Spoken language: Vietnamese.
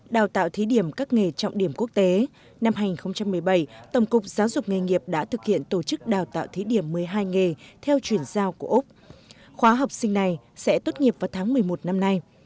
đào tạo thí điểm các nghề trọng điểm quốc tế năm hai nghìn một mươi bảy tổng cục giáo dục nghề nghiệp đã thực hiện tổ chức đào tạo thí điểm một mươi hai nghề theo chuyển giao của úc khóa học sinh này sẽ tốt nghiệp vào tháng một mươi một năm nay